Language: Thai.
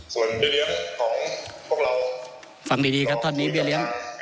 ส่วนเบียร์เลี้ยงของพวกเราฟังดีดีกับท่านในเบียเรียก